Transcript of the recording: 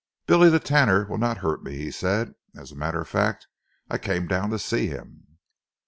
"Billy the Tanner will not hurt me," he said. "As a matter of fact, I came down to see him."